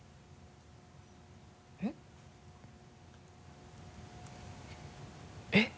えっ？えっ？